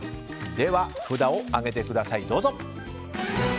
では、札を上げてください。